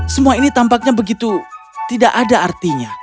semua ini tampaknya begitu tidak ada artinya